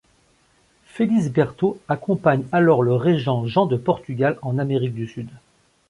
Felisberto accompagne alors le régent Jean de Portugal en Amérique du Sud.